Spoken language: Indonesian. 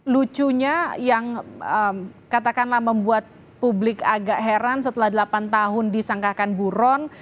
lucunya yang katakanlah membuat publik agak heran setelah delapan tahun disangkakan buron